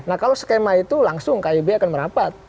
nah kalau skema itu langsung kib akan merapat